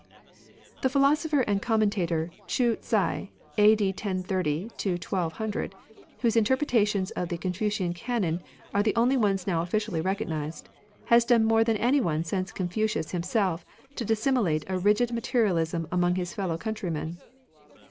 " The philosopher and commentator, SSSriiism. G*^^ Hsi, A.D. 1130 1200, whose in terpretations of the Confucian Canon are the only ones now officially recognised, has done more than any one since Confucius him self to disseminate a rigid materialism among his fellow countrymen.